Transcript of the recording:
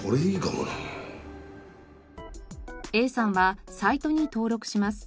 Ａさんはサイトに登録します。